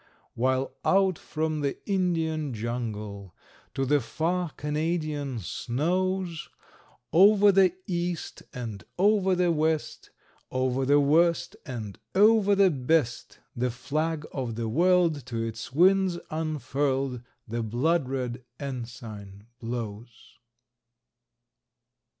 While out from the Indian jungle To the far Canadian snows, Over the east and over the west, Over the worst and over the best, The flag of the world to its winds unfurled, The blood red ensign blows.